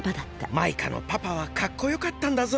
マイカのパパはかっこよかったんだぞ。